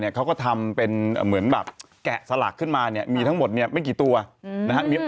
แล้วก็จะเหลือเศษของไม้ตะเคียนอันนี้